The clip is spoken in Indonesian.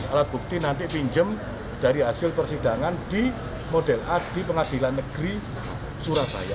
alat bukti nanti pinjem dari hasil persidangan di model a di pengadilan negeri surabaya